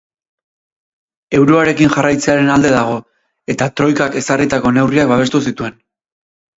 Euroarekin jarraitzearen alde dago, eta troikak ezarritako neurriak babestu zituen.